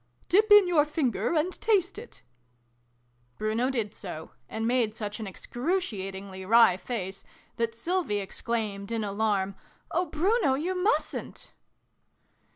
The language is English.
" Dip in your finger, and taste it !" Bruno did so, and made such an excru ciatingly wry face that Sylvie exclaimed, in alarm, " Oh, Bruno, you mustn't